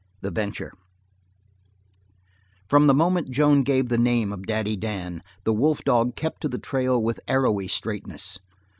The Venture From the moment Joan gave the name of Daddy Dan, the wolf dog kept to the trail with arrowy straightness.